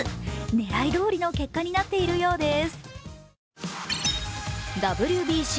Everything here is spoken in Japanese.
狙いどおりの結果になっているようです。